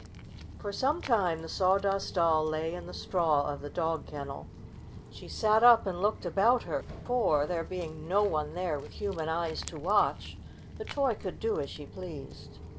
For some time the Sawdust Doll lay in the straw of the dog kennel. She sat up and looked about her, for, there being no one there with human eyes to watch, the toy could do as she pleased.